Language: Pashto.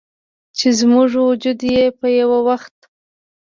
چې زموږ وجود یې په یوه وخت